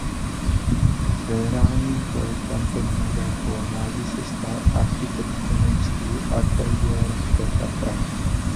Generálním projektantem nové kolonády se stal Architektonický ateliér Beta Praha.